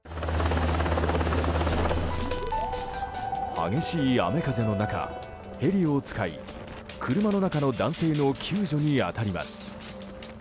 激しい雨風の中ヘリを使い車の中の男性の救助に当たります。